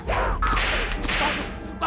bagus bagus tumba